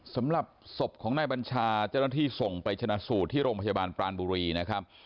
สำหรับศพของนายบัญชาเจ้าหน้าที่ส่งไปชนะสูตรที่โรงพยาบาลปรานบุรีนะครับ